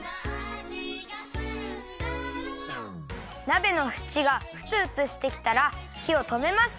なべのふちがふつふつしてきたらひをとめます。